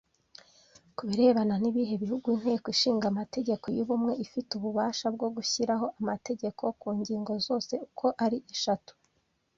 Kubirebana n’ibihe bihugu Inteko ishinga amategeko y’ubumwe ifite ububasha bwo gushyiraho amategeko ku ngingo zose uko ari eshatu